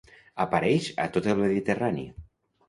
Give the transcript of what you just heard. Apareix a tot el Mediterrani.